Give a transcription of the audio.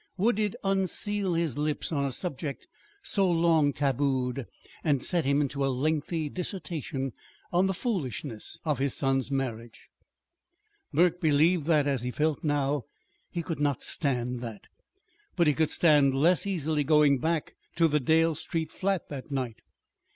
Would it unseal his lips on a subject so long tabooed, and set him into a lengthy dissertation on the foolishness of his son's marriage? Burke believed that, as he felt now, he could not stand that; but he could stand less easily going back to the Dale Street flat that night.